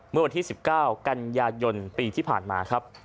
เมื่อวันที่๑๙กันยายนปีที่ผ่านมาครับ